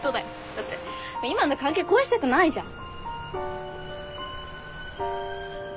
だって今の関係壊したくないじゃん。